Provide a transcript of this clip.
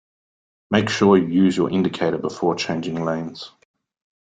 Make sure you use your indicator before changing lanes